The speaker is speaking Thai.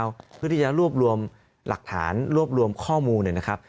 เพื่อที่จะรวบรวมหลักฐานรวบรวมข้อมูล